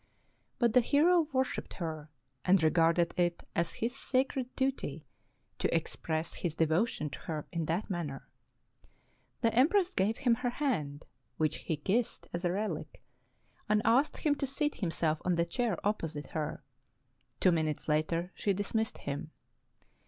" But the hero worshiped her, and regarded it as his sa cred duty to express his devotion to her in that manner. The empress gave him her hand, which he kissed as a relic, and asked him to seat himself on the chair oppo site her ; two minutes later she dismissed him.